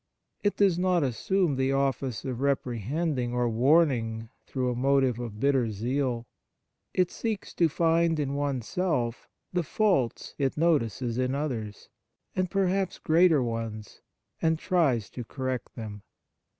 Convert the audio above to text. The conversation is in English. It does not assume the office of reprehending or warning through a motive of bitter zeal. It seeks to find in oneself the faults it notices in others, and perhaps greater ones, and tries to correct them.